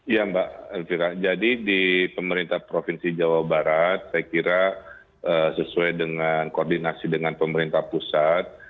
ya mbak elvira jadi di pemerintah provinsi jawa barat saya kira sesuai dengan koordinasi dengan pemerintah pusat